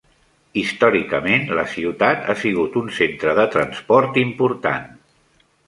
Històricament, la ciutat ha sigut un centre de transport important.